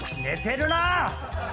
寝てるな！